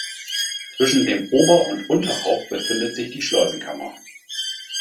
Zwischen dem Ober- und Unterhaupt befindet sich die Schleusenkammer.